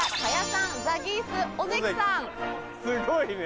すごいね。